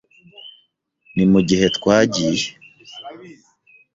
Ni mugihe twagiye.